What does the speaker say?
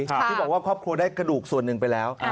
ที่บอกว่าครอบครัวได้กระดูกส่วนหนึ่งไปแล้ว